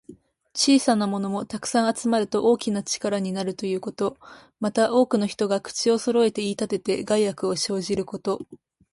小さなものも、たくさん集まると大きな力になるということ。また、多くの人が口をそろえて言いたてて、害悪を生じること。